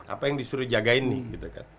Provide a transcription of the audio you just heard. apa yang disuruh jagain nih